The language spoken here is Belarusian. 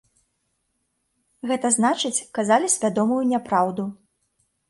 Гэта значыць, казалі свядомую няпраўду.